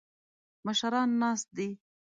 مشران ناست دي.